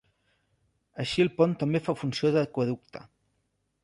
Així el pont també fa funció d'aqüeducte.